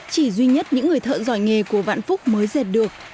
chỉ duy nhất những người thợ giỏi nghề của vạn phúc mới dệt được